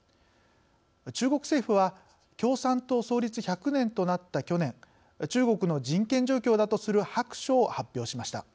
中国政府は共産党創立１００年となった去年中国の人権状況だとする白書を発表しました。